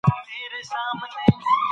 ځينو کسانو دا کار وطن پالنه بللې ده.